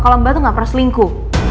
kalau mbak tuh gak peras lingku